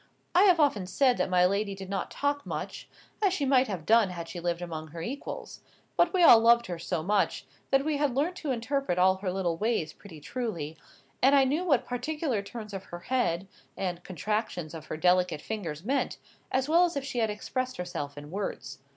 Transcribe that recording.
I have often said that my lady did not talk much, as she might have done had she lived among her equals. But we all loved her so much, that we had learnt to interpret all her little ways pretty truly; and I knew what particular turns of her head, and contractions of her delicate fingers meant, as well as if she had expressed herself in words.